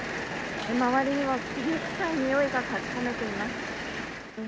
周りには焦げ臭いにおいが立ちこめています。